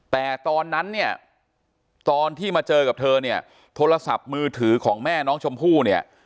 แต่ตอนนั้นเนี่ยตอนที่มาเจอกับเธอเนี่ยโทรศัพท์มือถือของแม่น้องชมพู่เนี่ย